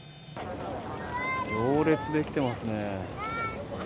行列出来てますね。